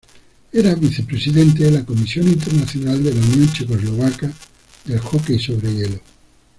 Era vicepresidente de la "Comisión Internacional de la Unión Checoslovaca del Hockey sobre Hielo".